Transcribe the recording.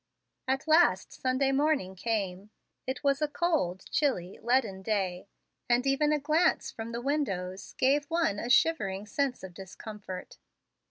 At last Sunday morning came. It was a cold, chilly, leaden day, and even a glance from the windows gave one a shivering sense of discomfort.